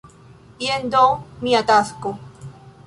Jen do mia tasko!